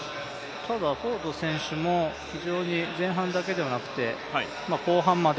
ただ、フォード選手も前半だけではなくて、後半まで